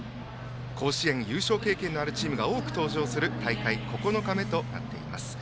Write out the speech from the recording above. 甲子園優勝経験のあるチームが多く登場する大会９日目となっています。